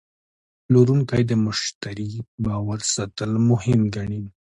پلورونکی د مشتری باور ساتل مهم ګڼي.